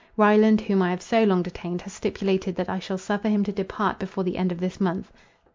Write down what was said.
Ryland, whom I have so long detained, has stipulated that I shall suffer him to depart before the end of this month.